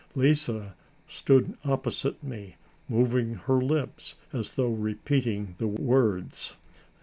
Lise stood opposite me, moving her lips as though repeating the words.